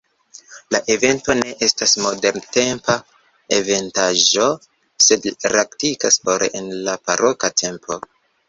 La evento ne estas moderntempa inventaĵo, sed radikas fore en la baroka tempo.